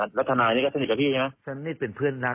เพราะว่าตอนแรกมีการพูดถึงนิติกรคือฝ่ายกฎหมาย